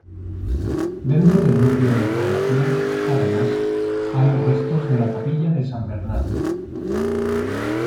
Dentro del núcleo de población, además, hay restos de la capilla de San Bernardo.